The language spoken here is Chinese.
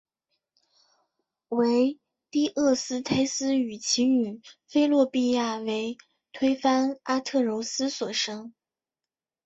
为堤厄斯忒斯与其女菲洛庇亚为推翻阿特柔斯所生。